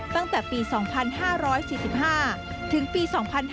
ตั้งแต่ปี๒๕๔๕ถึงปี๒๕๕๙